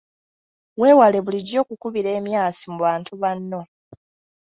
Weewale bulijjo okukubira emyasi mu bantu banno.